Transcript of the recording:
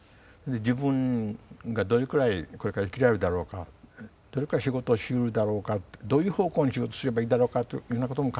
自分がどれくらいこれから生きられるだろうかどれくらい仕事をしうるだろうかどういう方向に仕事すればいいだろうかというようなことも考えたんですね。